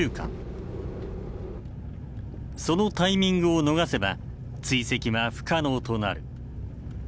そのタイミングを逃せば追跡は不可能となる。